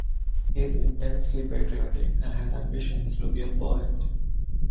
He is intensely patriotic and has ambitions to be a poet.